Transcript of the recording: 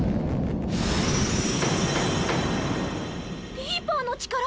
リーパーの力！